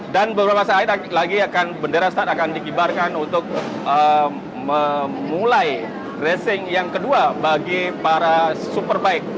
dan beberapa saat lagi bendera start akan digibarkan untuk memulai racing yang kedua bagi para superbike